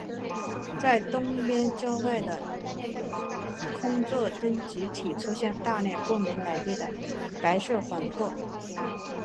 在东边郊外的空座町集体出现大量不明来历的白色魂魄。